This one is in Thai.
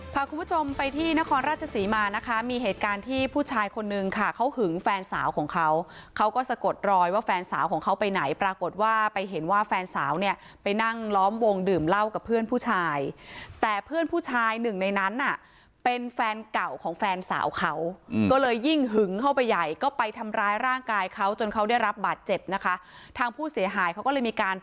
พาคุณผู้ชมไปที่นครราชศรีมานะคะมีเหตุการณ์ที่ผู้ชายคนนึงค่ะเขาหึงแฟนสาวของเขาเขาก็สะกดรอยว่าแฟนสาวของเขาไปไหนปรากฏว่าไปเห็นว่าแฟนสาวเนี่ยไปนั่งล้อมวงดื่มเหล้ากับเพื่อนผู้ชายแต่เพื่อนผู้ชายหนึ่งในนั้นน่ะเป็นแฟนเก่าของแฟนสาวเขาก็เลยยิ่งหึงเข้าไปใหญ่ก็ไปทำร้ายร่างกายเขาจนเขาได้รับบาดเจ็บนะคะทางผู้เสียหายเขาก็เลยมีการ